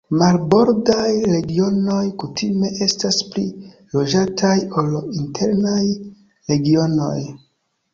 Marbordaj regionoj kutime estas pli loĝataj ol internaj regionoj.